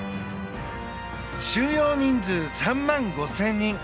収容人数３万５０００人。